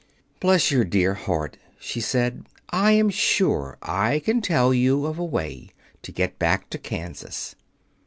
"Bless your dear heart," she said, "I am sure I can tell you of a way to get back to Kansas."